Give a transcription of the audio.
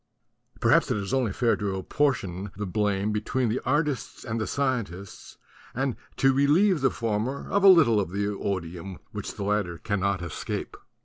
Perhaps it is only fair to apportionate the blame between the artists and the scientists and to relieve the former of a little of the odium which the latter cannot escape.